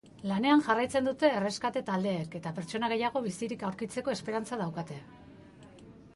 Lanean jarraitzen dute erreskate taldeek eta pertsona gehiago bizirik aurkitzeko esperantza daukate.